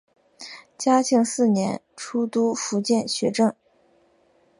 嘉庆四年出督福建学政。